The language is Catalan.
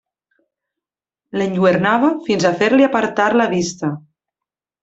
L'enlluernava fins a fer-li apartar la vista.